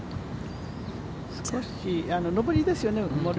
少し上りですよね。